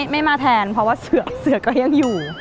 ไม่มาแทนเพราะว่าเสือก็ยังอยู่